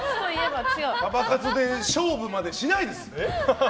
パパ活で勝負までしないです。